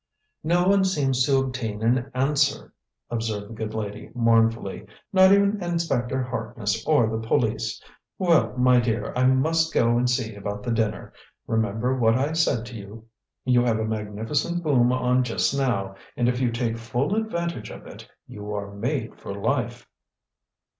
"No one seems to obtain an answer," observed the good lady mournfully; "not even Inspector Harkness or the police. Well, my dear, I must go and see about the dinner. Remember what I said to you. You have a magnificent boom on just now, and if you take full advantage of it, you are made for life."